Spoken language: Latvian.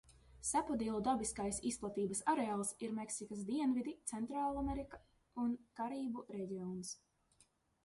Sapodillu dabiskais izplatības areāls ir Meksikas dienvidi, Centrālamerika un Karību reģions.